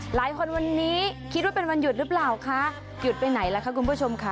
หลายคนวันนี้คิดว่าเป็นวันหยุดหรือเปล่าคะหยุดไปไหนล่ะคะคุณผู้ชมค่ะ